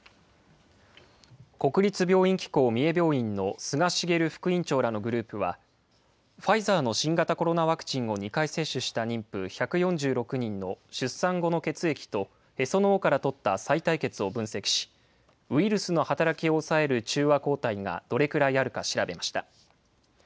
国立病院機構三重病院の菅秀副院長らのグループは、ファイザーの新型コロナワクチンを２回接種した妊婦１４６人の出産後の血液と、へその緒から採ったさい帯血を分析し、ウイルスの働きを抑える中和抗体がどれくらいあるか調べました。